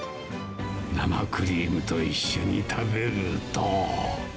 生クリームと一緒に食べると。